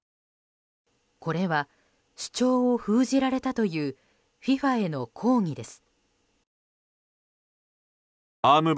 これは、主張を封じられたというＦＩＦＡへの抗議です。